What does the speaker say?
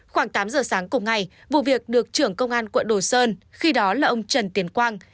khoảng tám giờ sáng cùng ngày vụ việc được trưởng công an quận đồ sơn khi đó là ông trần tiền quang